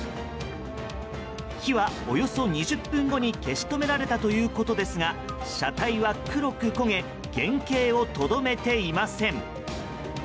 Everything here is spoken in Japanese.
火はおよそ２０分後に消し止められたということですが車体は黒く焦げ原形をとどめていません。